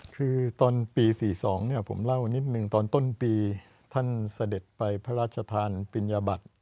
คือตอนปี๔๒ผมเล่านิดนึงตอนต้นปีท่านเสด็จไปพระราชทานปิญญาบัติ